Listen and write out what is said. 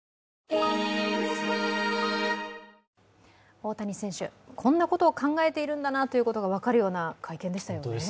大谷選手、こんなことを考えているんだなということが分かる会見でしたね。